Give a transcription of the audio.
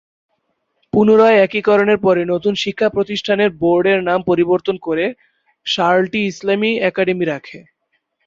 পুনরায় একীকরণের পরে নতুন শিক্ষা প্রতিষ্ঠানের বোর্ড এর নাম পরিবর্তন করে শার্লট ইসলামি একাডেমি রাখে।